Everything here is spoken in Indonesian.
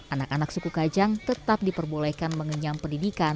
anak anak suku kajang tetap diperbolehkan mengenyampungi